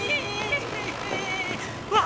うわ！